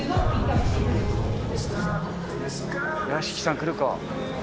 屋敷さん来るか？